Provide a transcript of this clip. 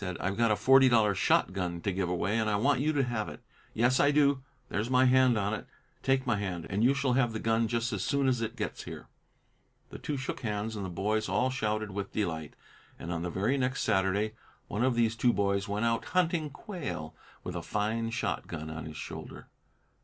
"I've got a forty dollar shotgun to give away, and I want you to have it. Yes, I do. There's my hand on it. Take my hand, and you shall have the gun just as soon as it gets here." The two shook hands, and the boys all shouted with delight; and on the very next Saturday one of these two boys went out hunting quail with a fine shotgun on his shoulder.